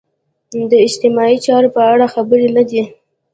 د اجتماعي چارو په اړه خبر نه دي.